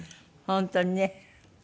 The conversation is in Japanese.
本当にね。